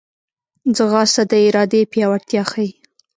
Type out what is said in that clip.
ځغاسته د ارادې پیاوړتیا ښيي